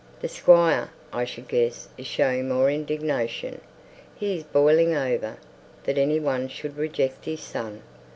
The Squire, I should guess, is showing more indignation. He is boiling over, that any one should reject his son!